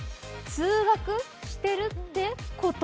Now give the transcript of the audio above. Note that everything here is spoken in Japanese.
通学してるってコト？！